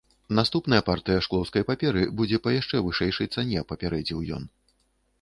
Наступнай партыя шклоўскай паперы будзе па яшчэ вышэйшай цане, папярэдзіў ён.